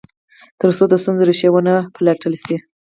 تر څو د ستونزو ریښې و نه پلټل شي.